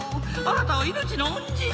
あなたはいのちの恩人！